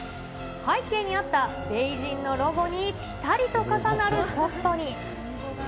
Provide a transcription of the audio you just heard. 背景にあったＢＥＩＪＩＮＧのロゴにぴたりと重なるショットに。